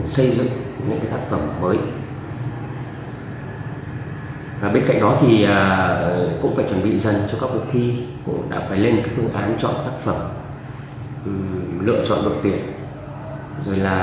xa ta còn bốn bề chân môi